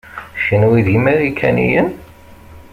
Kenwi d imarikaniyen?